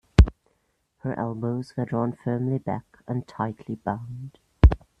Her elbows were drawn firmly back and tightly bound.